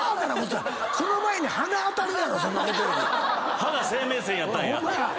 歯が生命線やったんや。